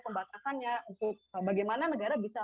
pembatasannya untuk bagaimana negara bisa